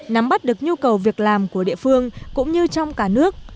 nắm bắt được nhu cầu việc làm của địa phương cũng như trong cả nước